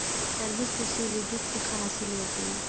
تربوز په سویل لویدیځ کې ښه حاصل ورکوي